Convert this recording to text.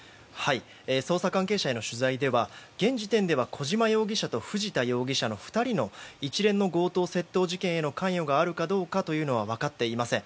捜査関係者への取材では現時点では小島容疑者と藤田容疑者の２人への一連の強盗・窃盗事件への関与があるかどうかは分かっていません。